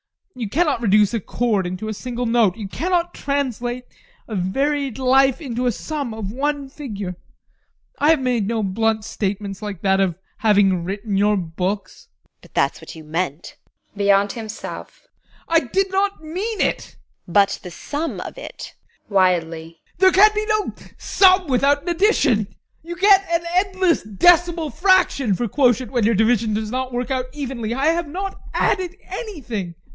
You cannot reduce a chord into a single note. You cannot translate a varied life into a sum of one figure. I have made no blunt statements like that of having written your books. TEKLA. But that's what you meant! ADOLPH. [Beyond himself] I did not mean it. TEKLA. But the sum of it ADOLPH. [Wildly] There can be no sum without an addition. You get an endless decimal fraction for quotient when your division does not work out evenly. I have not added anything.